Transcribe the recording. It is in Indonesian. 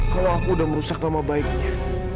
kalau aku sudah merusak mama baiknya